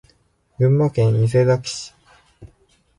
群馬県伊勢崎市